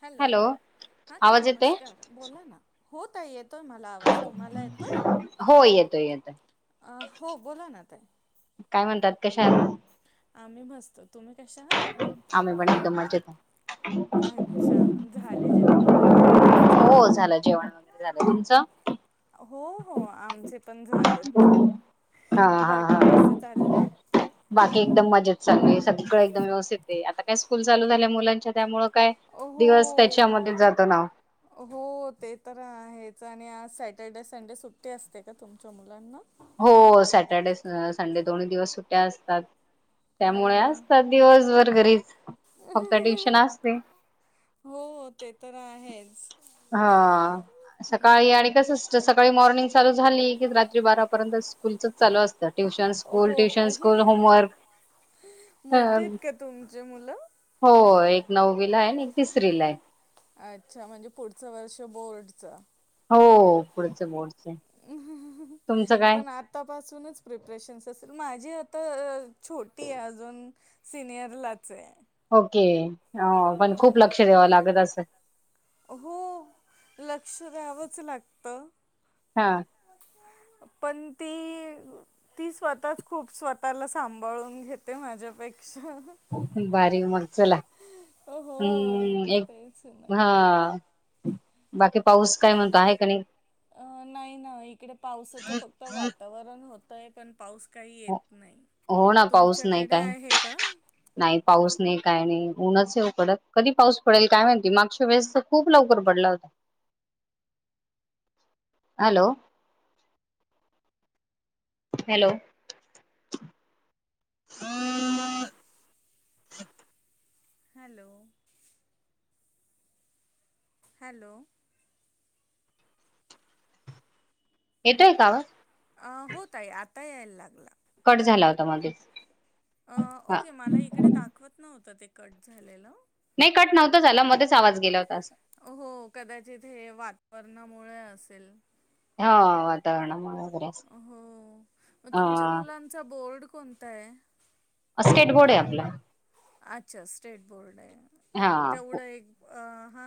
Hello हा ताई आवाज येतोय नमस्कार- बोला ना. हो ताई येत येतोय मला आवाज तुम्हाला येतोय हो येतोय येतोय [inaudible] अ हो बोला ना ताई काय म्हणतात कशा [inaudible] आहात? आम्ही मस्त तुम्ही कशा [inaudible] आहात आम्ही पण एकदम मजेत आहे. अच्छा झाले जेवण वगैरे तुमचे? हो झालं जेवण वगैरे झालं तुमचं हो -हो आमचे [inaudible] पण झालेत हा- हा बाकी कसे चाललंय -हा बाकी एकदम मजेत [unintelligible] सगळं एकदम व्यवस्थित आहे आता काय स्कूल चालू झाल्या मुलांच्या त्यामु काय हो दिवस त्याच्या म जातो ना ओ हो ते तर [unintelligible] आणि आज सॅटर्डे संडे सुट्टी असते का तुमच्या मुलांना हो सॅटर्डे- संडे दोन्ही दिवस सुट्या असतात अरे त्यामुळे वा असतात दिवसभर -घरीच फक्त ट्युशन असतय हो ते तर [inaudible] आहेच हा सकाळी हम्म. आणि कस सकाळी- मॉर्निंग चालू झाली कि रात्री बारापर्यंत स्कूलच चालू असत ट्युशन स्कूल हो -ट्युशन हो स्कूल, होमवर्क मोठे आहेत का तुमचे मुलं [unintelligible] हो एक नववी ला आहे आणि एक तिसरी ला आहे अच्छा म्हणजे पुढंच वर्ष बोर्ड खढचा [unintelligible] हो पुढच मोड [inaudible] पण आतापासूनच प्रिप्रेशन असेल माझ तर.. छोटी आहे अजून सिनियरलाच आहे. ओके हो पण खूप लक्ष द्यावं लागत अस स हो लक्ष द्यावंच लागत हा पण ती ती स्वतःच खूप स्वतःला सांभाळून घेते माझ्यापैकी [inaudible] म [inaudible] चला हम् एक तेच ना. हा बाकी पाऊस काय म्हणतो आहे का नाही अ नाही ना इकडे पावसाचं फक्त वातावरण होत होयण हो ना पाऊस नाही तुमच्याकडे काय आहे का? नाही पाऊस नाही काय नाही ऊनच डत कधी पाऊस पडेल काय माणती मागच्या वेळेस तर खूप लवकर पडला होता हॅलो हॅलो हॅलो हॅलो येतोय का आवाज अ होत आहे आता यायला लागला कट झाला होता मध्येच अ हा ओके मला इकडे दाखवत नव्हत ते कट झाले नाही कट नव्हतं झाला मध्येच आवाज गेला होता असं. हो कदाचित हे वा वर्णामुळे असेल हा वातावरण हो मग तुमच्या मुलांचा बोर्ड कोणत आहे स्टेट बोर्ड आहे आपला अच्छा स्टेट बोर्ड आहे हा तेवढं एक अ हा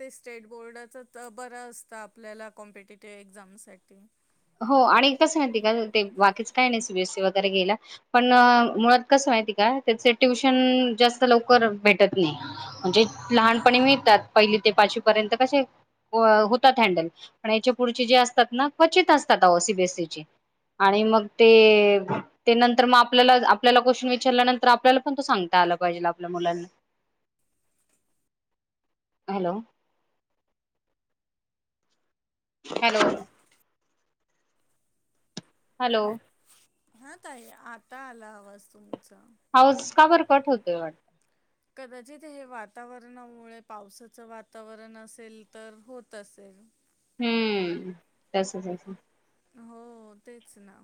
ते स्टेट बोर्डचा बर असतं आपल्याला कॉम्पिटेटिव एक्झामसाठी हो आणि कस माती का ते बाकीच काय नाही सीबीएससी वगैरे ग्यायला पण मुळात कसं माहिती का त्याचे ट्युशन जास्त लवकर भेटत नाही म्हणजे लहानपणी मिळतात पहिली ते पाचवी पर्यंत कसे होतात हँडल पण याच्या पुढचे जे असतात ना क्वचित असतात ओसीबीएस आणि मग ते नंतर मग आपल्याला आपल्याला क्वेशन विचारल्यानंतर आपल्याला पण त सांगता आला पाहिजे आपल्या मुलांना हॅलो हॅलो हॅलो हा त आहे आता आला हवाज तुमचा हाऊस काबर कट होतोय वाटत कदाचित हे वातावरणामुळे पावसाचं वातावरण असेल तर होत असेल हम्म सच स हो तेच ना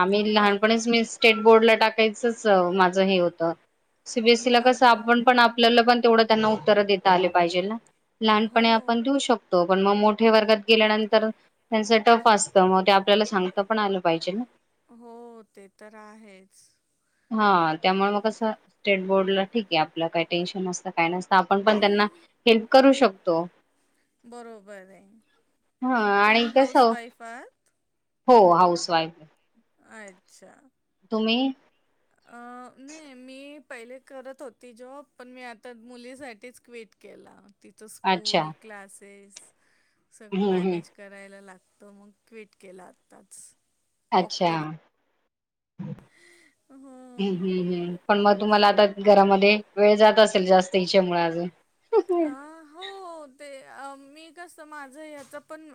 आम्ही बा लहानपणीच मीस स्टेट बोर्डला टाकायचंच माझं हे होतं- सीबीएसई ला आ कसं आपण पण- आपल्याला पण तेवढं त्यांना उत्तर देता आले पाहिजे ना, हो लहानपणी आपण देऊ शकतो. म मोठ मोठ्या वर्गात गेल्यानंतर त्यांच टफ असत मग ते आपल्याला सांगता पण आलं पाहिजे ना? हो ते तर आहेच. हा त्यामुळे मग कसं स्टेट बोर्डला ठीक आहे, आपलं काय टेन्शन नसतं. काय नसत आपण पण त्यांना हेल्प करू शकतो. तो. बरोबर आहे हा आणि तुम्ही हाऊस कसं वाईफ आहात? हो हाऊस वाईफ आहे. अच्छा. तुम्ही? अ नाही मी- पहिले करत होती जॉब, पण मी आता मुलीसाठीच क्विट केला. तिच अच्छा स्कूल, क्लासेस, सगळं हम्म हम्म मॅनेज करायला लागत. तो मग ट्विट केला आताच. अच्छा. हम्म, हो हम्म, हम्, पण मग तुम्हाला आता घरामध्ये वेळ जात असेल, जास्त इच्यामुळे अजून- अ हम् हो ते [unintelligible] मी कसं माझं याचं पण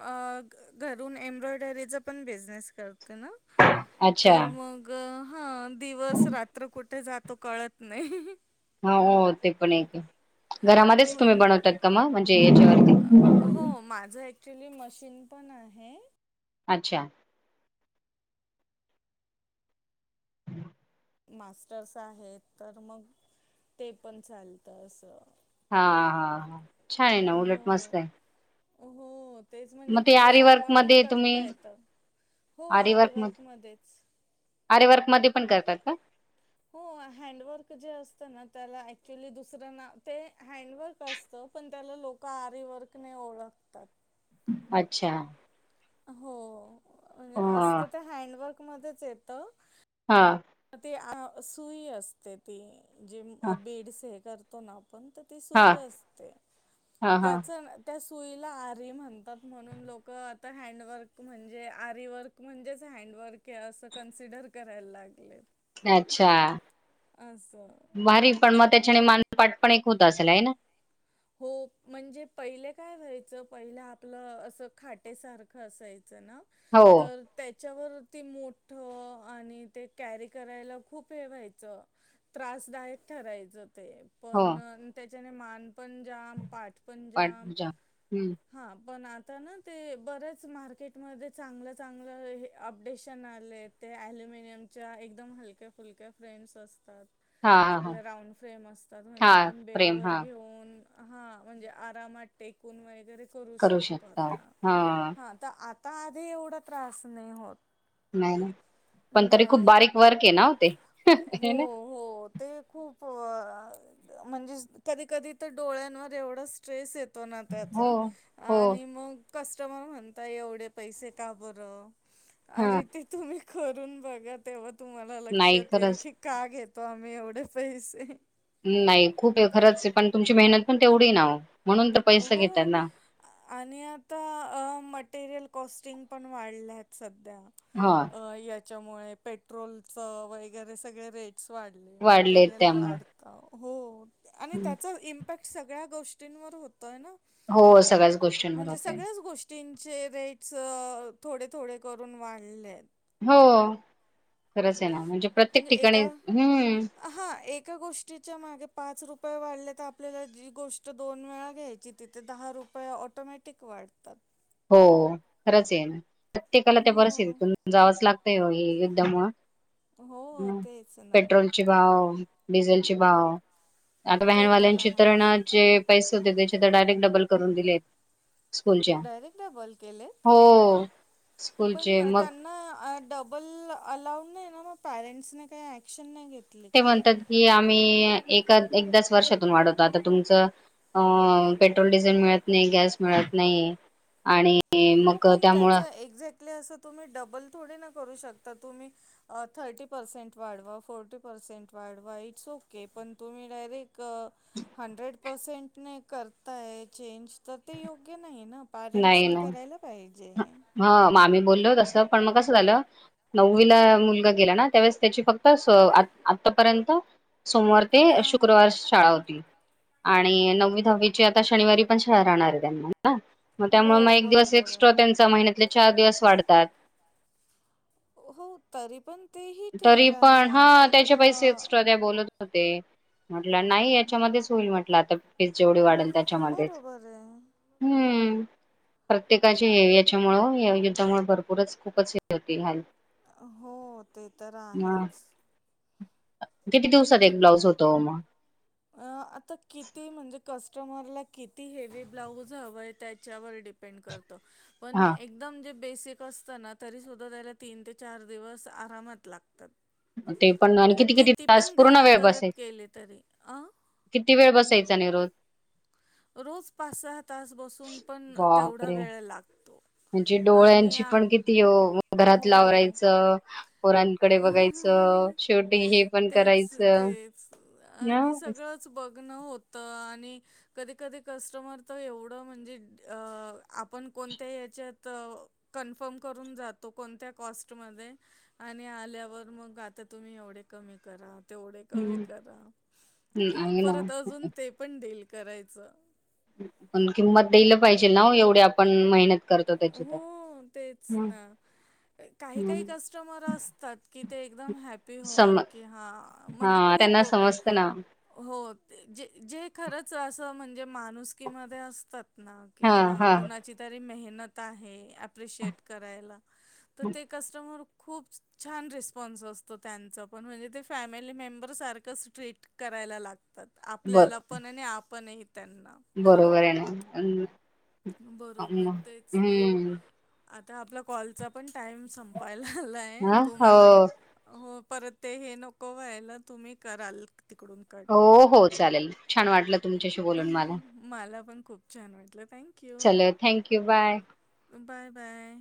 घरून एम्ब्रॉयडरीचा पण बिझनेस करते ना, अच्छा तर मग हा दिवस रात्र कुठ जातो कळत नाही. हा हो ते पण एक- घरामध्येच हो तुम्ही बनवतात का म? म्हणजे याच्यावरती अ, हो माझं ॲक्च्युली मशीन पण आहे, अच्छा. मास्टर्स आहेत, तर मग ते पण चालत अस हा, हा, हा, छान आहे ना, हो उलट मस्त आहे. हो. तेच म्हणजे मग ते तिला आरी वर्क सांभाळून मध्ये करता तुम्ही येत हो आरी वर्क आरीवर्क मध्ये मध्येच आरी वर्क मध्ये पण करतात का? हो हँडवर्क जे असत ना त्याला एक्च्युली दुसरं ना ते हँडवर्क असत पण त्याला लोक आरीवर्क ओळखतात. अच्छा हो ह म्हणजे असत ते हँडवर्क मध्येच येतं हा ती अ सुई असते ती जे हा बीड स हे करते. तो ना फक्त हा सुई असते हा हा त्याच त्या सुई सुईला आरी म्हणतात म्हणून लोक आता हँडवर्क म्हणजे आरी वर्क म्हणजेच हँडवर्क आहे असं कन्सिडर करायला लागले. अच्छा असं मारी पण म ते त्या मानपाठ पण एक होत असेल आहे ना? हो म्हणजे पहिले काय व्हायचं पहिलं आपलं असं खाटेसारखं असायचं. हो तर त्यांच त्याच्यावरती मोठ आणि ते कॅरी करायला खूप हे व्हायचं त्रासदायक ठरायचं. ते हो पण त्या ज्याने मान पंजाब पाट पंजाम पाठपूजा हम्म हा पण आ आता ना ते बरेच मार्केटमध्ये चांगलं चांगलं हे अपडेशन आले ते अल्युमिनियमच्या एकदम हलक्या फुलक्या फ्रेम्स असतात. हा हा हा आपल्या राऊंड फ्रेम असतात म्हणजे हा आपण बेड प्रेम वर हा घेऊन हा म्हणजे आरामात टेकून वैगरे करु करू शकतो शकता आता हा हा त आत तर आधी एवढा त्रास नाही होत नाही नाही पण तरी खूप नाही बारीक वर्क आहे ना ते हो ना हो ते खूप म्हणजे कधी कधी तर डोळ्यांवर एवढा स्ट्रेस येत तो ना हो त्याचा हो आणि मग कस्टमर म्हणता एवढे पैसे का बरं? हा अरे ते तुम्ही करून बघा तेव्हा तुम्हाला नाही लक्षात येईल खरंच की का घेत तो आम्ही एवढे पैसे नाही खूप खरंच आहे पण तुमची मेहनत पण तेवढी ना म्हणून तर पैसे हो घेतात ना आणि आता अ म मटेरियल कॉस्टिंग पण वाढल्या आहेत सध्या हा अ या त्याच्यामुळे पेट्रोलच वगैरे सगळे रेट वाढली वाढलेत मटेरियल त्यामुळे वाढत हो आणि त्याच इ सगळ्या गोष्टींवर होत त ना हो सगळ्याच गोष्टींवर होत चे रेट्स थोडे थोडे करून वाढलेत हो खरंच आहे ना म्हणजे प्रत्येक ठिकाणी हम्म हां एका गोष्टीच्या मागे पाच रुपये वाढले तर आपल्याला जी गोष्ट दोन वेळा घ्यायची तिथे दहा रुपये ऑटोमॅटिक वाढतात हो खरंच ये ना प्रत्येकाला त्या बरच हो, तून जावंच लागत ते युद्ध म हो ह तेच ना. पेट्रोलची भाव डिझेलचीचे भाव आता ते तर व्यानवाल्यांची आहेच तरणा जे पैसे होते त्याच्या तर डायरेक्ट डबल करून दिलेत स्कूलच्या बॉोल केले हो पण स्कूलचे मग त्यांना डबल अलाऊड नाही ना म पॅरेंट्स नि काही ऍक्शन नाही घेतली ते का? म्हणतात की आम्ही एकदाच वर्षातून वाढवतो आता तुमच पेट्रोल डिझेल मिळत नाही गॅस मिळत नाही आणि मग त्यामुळं अस तुम्ही डबल थोडे ना करू शकता तुम्ही थर्टी पर्सेंट वाढवा फोर्टी पर्सेंट वाढवा इट्स ओके पण तुम्ही डायरेक्ट हंड्रेड पर्सेंट ने करताय चेंज तर योग्य नाही ना पॅरेंट्स नाही ना करायला पाहिजे हा मग आम्ही बोललो तस पण मग कसं झालं नववीला मुलगा गेला ना त्यावेळेस त्याची फक्त आतापर्यंत सोमवार ते हां शुक्रवार शाळा होती आणि नववी दहावीची आता शनिवारी पण शाळा राहणार आहे त्यांना ना मग हो त्यामुळे मग एक दिवस बरोबर एक्स्ट्रा आहे. त्यांचा महिन्यात चार दिवस वाढतात हो तरी पण तेही तरी ठीक आहे पण हा आपण त्याचे अ, पैसे एक्स्ट्रा द्या बोलत हो म्हटलं नाही याच्यामध्येच होईल म्हटलं आता हे जेवढ वाढेल अं, त्याच्यामध्येच बरोबर आहे हम्म प्रत्येकाचे आ- हे याच्यामुळ याच्यामुळे भरपूरच खूपच हे होती हो ते तर हा आहेच [inaudible] किती दिवसात मग एक ब्लाउज होतो मग अं, आता किती म्हणजे कस्टमरला किती हेवी ब्लाऊज हवं आहे त्याच्यावर डिपेंड करत पण हा एकदम जे बेसिक असतं ना तरीसुद्धा त्याला तीन ते चार दिवस आरामात लागतात ते पण आणि म्हणजे किती किती तास पण पूर्ण घाई वेळ बसायच करत केले तरी अं? किती वेळ बसायचा रोज [inaudible] रोज पाच सहा तास बसून पण तेवढा बापरे वेळ लागतो म्हणजे आणि डोळ्यांची पण किती हो घरात ल हो आवरायचं पोरांकडे बघायच तेच तेच ना आणि हम्म, सगळंच बघणं होतं आणि कधी कधी कस्टमर तर एवढ म्हणजे आपण कोणत्या हच्यात कॉन्फर्म करून जातो कोणत्या कॉस्ट मध्ये आणि आल्यावर मग आता तुम्ही एवढे कमी करात तेवढ कमी करा आहे ना परत अजून ते पण देल करायचं ण किंमत देल पाहिजे ना एवढ्या आपण मेहनत करतो त्याची तर हो तेच हम्म, ना काही काही हम्म. कस्टमर असतात की ते एकदम हॅप्पी सम होऊन की हा हा म्हणजे खूप त्यांना समजत ना हो जे खरच अस म्हण जे माणुसकीमध्ये असतात कि हा कुणाची तरी मेह आहे आत्ता [unintelligible] अपिशि करायला तर ते कस्टमर खूप छान रिस्पॉन्स असतो त्यांचं पण म्हणजे ते फॅमिली मेंबर सारखंच ट्रीट करायला लागतात. बर आपल्याला पण आणि आप पण हे त्यांना. बरोबर आहे ना अन अम- बरोबर तेच ना हम्म आत तर आपला कॉलचा पण. टाइम संपायला आला हे हा तुम्हाला हो हो. परत ते हे नको व्हायला तुम्ही कराल. तिकडून कट. हो हो चालेल छान वाटलं तुम च्याशी अह, बोलून मला. मला पण खूप छन वाटल. चलो thank you bye. Bye bye.